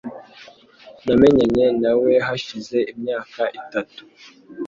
Namenyanye nawe hashize imyaka itatu.